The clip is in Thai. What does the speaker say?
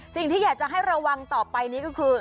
สิ่งที่อยากจะให้ระวังต่อไปนี้ก็คือ